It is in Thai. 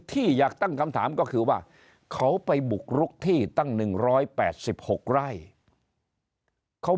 ที่อยากตั้งคำถามก็คือว่าเขาไปบุกรุกที่ตั้ง๑๘๖ไร่เขา